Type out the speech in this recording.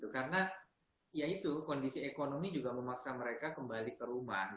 karena ya itu kondisi ekonomi juga memaksa mereka kembali ke rumah